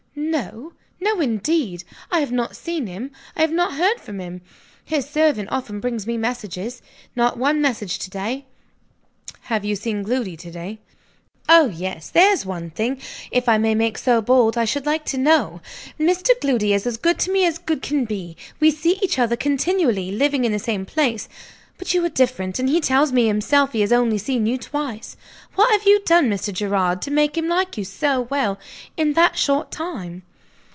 "No! no indeed! I have not seen him; I have not heard from him. His servant often brings me messages. Not one message to day." "Have you seen Gloody to day?" "Oh, yes! There's one thing, if I may make so bold, I should like to know. Mr. Gloody is as good to me as good can be; we see each other continually, living in the same place. But you are different; and he tells me himself he has only seen you twice. What have you done, Mr. Gerard, to make him like you so well, in that short time?"